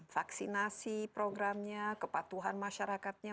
vaksinasi programnya kepatuhan masyarakatnya